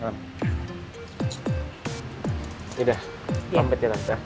yaudah selamat ya tante